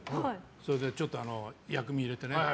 それで、ちょっと薬味を入れてね。